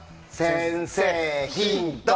先生、ヒント！